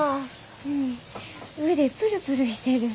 うん腕プルプルしてる。